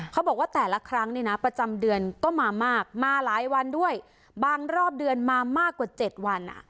เขาบอกว่าแต่ละครั้งเนี่ยนะประจำเดือนก็มามากมาหลายวันด้วยบางรอบเดือนมามากกว่า๗วัน